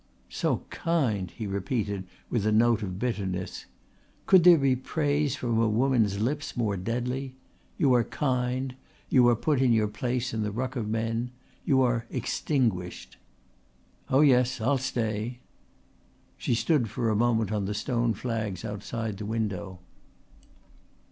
"So kind!" he repeated with a note of bitterness. Could there be praise from a woman's lips more deadly? You are kind; you are put in your place in the ruck of men; you are extinguished. "Oh yes, I'll stay." She stood for a moment on the stone flags outside the window.